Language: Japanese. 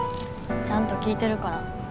ちゃんと聞いてるから。